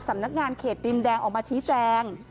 สำนักงานเขตดินแดงออกมาชี้แจง